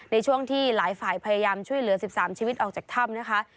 ในช่วงที่หลายฝ่ายพยายามช่วยเหลือ๑๓ชีวิตออกจากถ้ำนะคะ